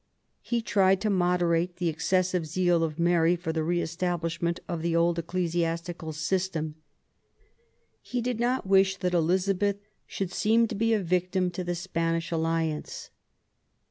He tried to moderate the excessive zeal of Mary for the re establishment of the old ecclesiastical system. He did not wish that Elizabeth should seem to be a THE YOUTH OF ELIZABETH. 33 victim to the Spanish alliance.